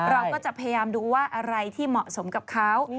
เราก็จะพยายามดูว่าอะไรที่เหมาะสมกับเขา